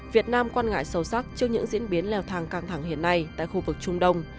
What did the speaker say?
việt nam quan ngại sâu sắc trước những diễn biến leo thang căng thẳng hiện nay tại khu vực trung đông